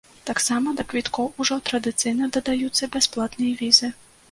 Таксама да квіткоў ужо традыцыйна дадаюцца бясплатныя візы.